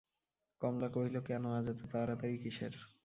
কমলা কহিল, কেন, আজ এত তাড়াতাড়ি কিসের?